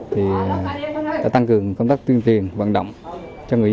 thì đã tăng cường công tác tuyên truyền vận động cho người dân